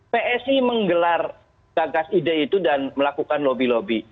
psi menggelar gagas ide itu dan melakukan lobby lobby